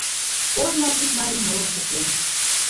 «Ожно ик марий нурым куклен.